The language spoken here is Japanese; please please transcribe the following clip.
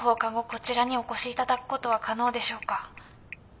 こちらにお越し頂くことは可能でしょうか。